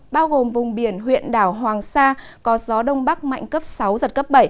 bao gồm vùng biển huyện đảo hoàng sa có gió đông bắc mạnh cấp sáu giật cấp bảy